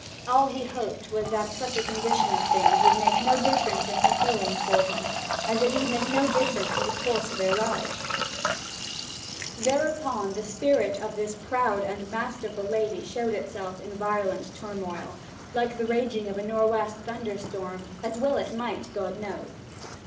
All he hoped was that such a condition of things would make no difference in her feelings for him, as it need make no difference in the course of their lives. Thereupon the spirit of this proud and masterful lady showed itself in violent turmoil, like the raging of a nor' west thunderstorm as well it might, God knows.